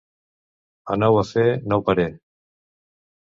A nou afer, nou parer.